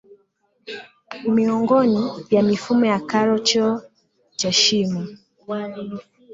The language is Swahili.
Miungano ya mifumo ya karo choo cha shimo